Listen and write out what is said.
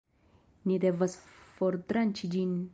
Ni devas fortranĉi ĝin